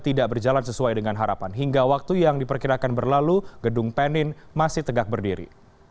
tidak berjalan sesuai dengan harapan hingga waktu yang diperkirakan berlalu gedung penin masih tegak berdiri